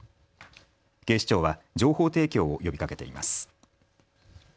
警視庁は情報提供を呼びかけています。